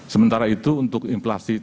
sementara itu untuk inflasi